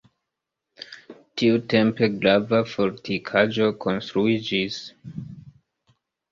Tiutempe grava fortikaĵo konstruiĝis.